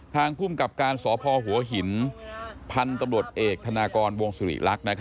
ภูมิกับการสพหัวหินพันธุ์ตำรวจเอกธนากรวงสุริรักษ์